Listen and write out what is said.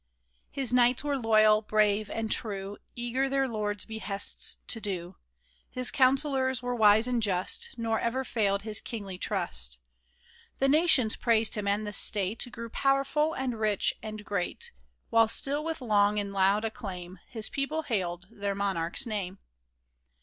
His knights were loyal, brave, and true, Eager their lord's behests to do ; His counsellors were wise and just, Nor ever failed his kingly trust ; The nations praised him, and the state Grew powerful, and rich, and great ; While still with long and loud acclaim, His people hailed their monarch's name